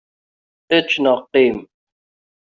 Ečč neɣ qqim!